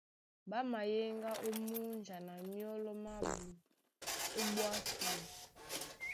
Ɓá mayéŋgá ó múnja na myɔ́lɔ mábū ó ɓwá súe.